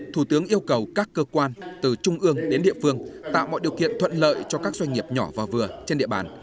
thủ tướng yêu cầu các cơ quan từ trung ương đến địa phương tạo mọi điều kiện thuận lợi cho các doanh nghiệp nhỏ và vừa trên địa bàn